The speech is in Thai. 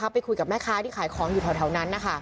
ไปคุยกับแม่ค้าที่ขายของอยู่แถวนั้น